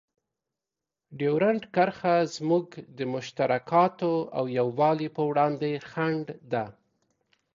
ډیورنډ کرښه زموږ د مشترکاتو او یووالي په وړاندې خنډ ده.